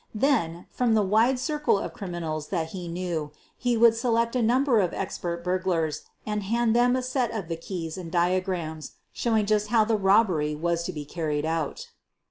Then, from the wide circle of criminals that he knew, he would select a number of expert burglars and hand them a set of the keys and diagrams, showing just how the robbery was to be carried out.